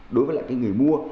đối với lại người mua